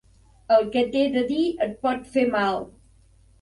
El que t'he de dir et pot fer mal.